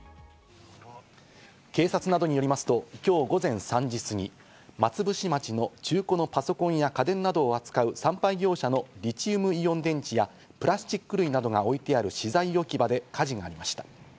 警察などによりますと、今日午前３時過ぎ、松伏町の中古のパソコンや家電などを扱う産廃業者のリチウムイオン電池やプラスチック類などが置いてある資材置き場で火事がありました。